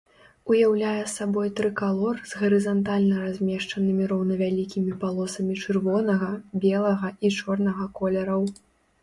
Уяўляе сабой трыкалор з гарызантальна размешчанымі роўнавялікімі палосамі чырвонага, белага і чорнага колераў.